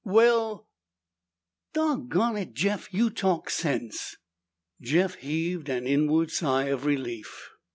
"Well Doggonit, Jeff! You talk sense!" Jeff heaved an inward sigh of relief.